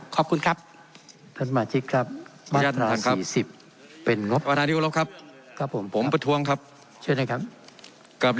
ขอบคุณครับ